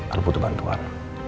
aku butuh bantuan